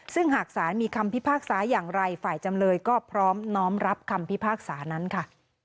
ซึ่งหากศาลมีคำพิพากษาอย่างไรฝ่ายจำเลยก็พร้อมน้อมรับคำพิพากษานั้นค่ะ